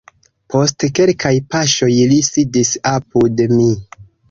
Post kelkaj paŝoj li sidis apud mi.